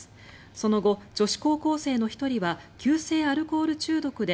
その後、女子高校生の１人は急性アルコール中毒で